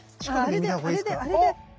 あれであれであれで！